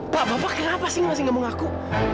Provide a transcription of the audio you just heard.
pak bapak kenapa sih masih gak mau ngaku